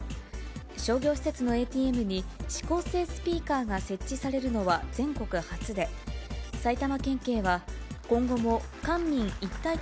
商業施設のＡＴＭに指向性スピーカーが設置されるのは全国初で、さあ、汐留、外に出てきました。